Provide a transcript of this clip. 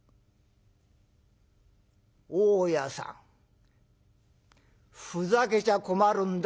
「大家さんふざけちゃ困るんだ